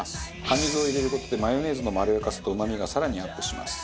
カニ酢を入れる事でマヨネーズのまろやかさと旨みが更にアップします。